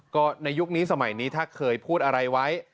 ก็ในยุคนี้สมัยนี้ถ้าเคยพูดอะไรไว้